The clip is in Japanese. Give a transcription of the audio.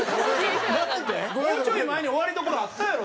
もうちょい前に終わりどころあったやろ？